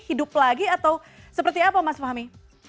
hidup lagi atau seperti apa mas fahmi